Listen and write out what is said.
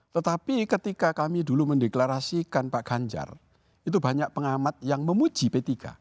tetapi ketika kami dulu mendeklarasikan pak ganjar itu banyak pengamat yang memuji p tiga